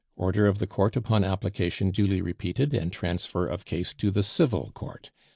12 " 27th Order of the Court upon application duly repeated, and transfer of of case to the Civil Court.